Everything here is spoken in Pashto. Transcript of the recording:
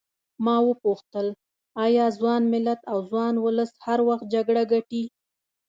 ما وپوښتل ایا ځوان ملت او ځوان ولس هر وخت جګړه ګټي.